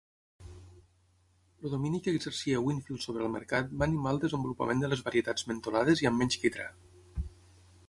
El domini que exercia Winfield sobre el mercat va animar el desenvolupament de les varietats mentolades i amb menys quitrà.